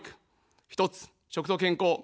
１つ、食と健康。